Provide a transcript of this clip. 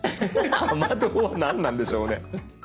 雨どう何なんでしょうね。